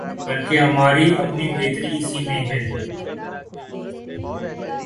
بلکہ ہماری اپنی بہتری اسی میں ہے۔